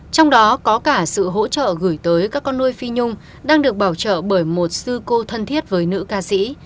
trong đó có cả sự hỗ trợ gửi tới các con nuôi phi nhung đang được bảo trợ bởi một sư cô thân thiết với nữ ca sĩ